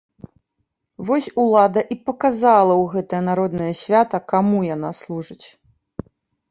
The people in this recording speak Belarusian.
Вось улада і паказала ў гэтае народнае свята, каму яна служыць.